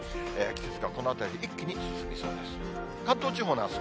季節がこのあたりで一気に進みそうです。